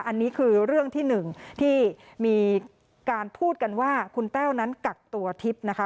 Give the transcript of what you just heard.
อันนี้คือเรื่องที่หนึ่งที่มีการพูดกันว่าคุณแต้วนั้นกักตัวทิพย์นะคะ